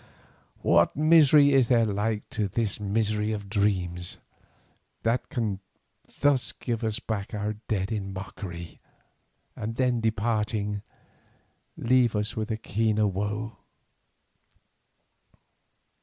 what misery is there like to this misery of dreams, that can thus give us back our dead in mockery, and then departing, leave us with a keener woe?